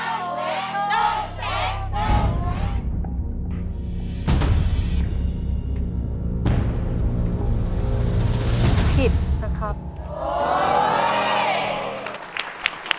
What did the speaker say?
ผิดนะครับ